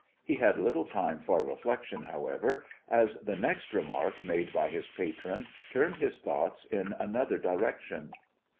He had little time for reflection, however, as the next remark made by his patron turned his thoughts in another direction.